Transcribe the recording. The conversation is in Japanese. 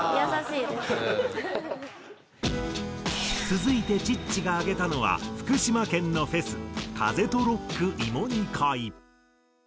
続いてチッチが挙げたのは福島県のフェス風とロック芋煮会。